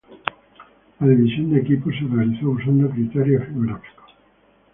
La división de equipos se realizó usando criterios geográficos.